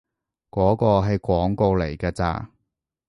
嗰個係廣告嚟㗎咋